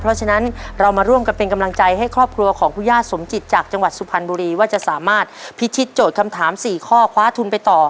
เพราะฉะนั้นเรามาร่วมกันเป็นกำลังใจให้ครอบครัวของคุณย่าสมจิตจากจังหวัดสุพรรณบุรีว่าจะสามารถพิชิตโจทย์คำถาม๔ข้อคว้าทุนไปต่อ